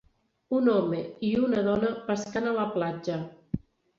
Un home i una dona pescant a la platja.